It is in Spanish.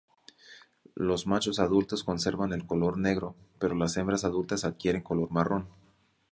Los machos adultos conservan el color negro, pero las hembras adultas adquieren color marrón.